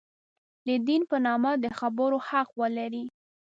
د دین په نامه د خبرو حق ولري.